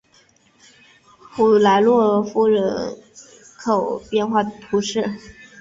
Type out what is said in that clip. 普莱洛夫人口变化图示